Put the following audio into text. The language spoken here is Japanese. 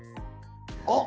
あっ！